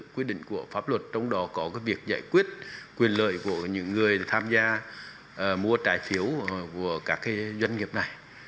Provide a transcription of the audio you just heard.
quy định của pháp luật trong đó có việc giải quyết quyền lợi của những người tham gia mua trái phiếu của các doanh nghiệp này